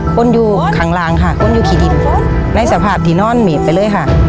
คนอยู่ข้างล่างค่ะคนอยู่ขี่ดินในสภาพที่นอนหมิดไปเลยค่ะ